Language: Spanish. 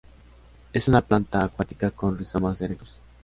Es una planta acuática con rizomas erectos.